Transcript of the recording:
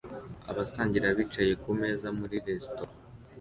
Abasangira bicaye kumeza muri resitora